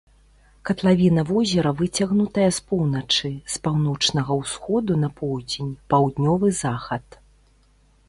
Катлавіна возера выцягнутая з поўначы, з паўночнага ўсходу на поўдзень, паўднёвы захад.